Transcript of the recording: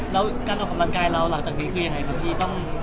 แล้วการออกกำลังกายเราหลังจากนี้คือยังไงครับพี่